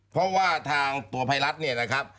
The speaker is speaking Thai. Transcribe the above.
เพราะว่าทางตัวภัยรัฐเนี่ยนะครับ